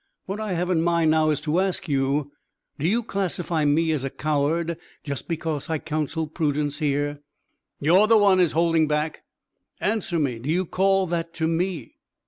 What I have in mind now is to ask you, do you classify me as a coward just because I counsel prudence here?" "You're the one is holding back." "Answer me! Do you call that to me?"